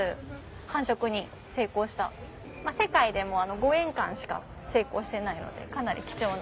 世界でも５園館しか成功してないのでかなり貴重な。